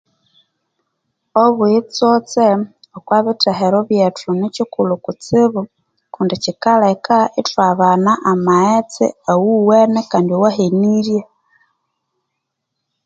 Obuyotsotse okubithero byethu nikyikulhu kutsibu Kundi kyikaleka ithwabana amaghetse aghuwene kandi awahenirye.